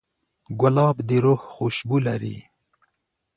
ګلاب د روح خوشبو لري.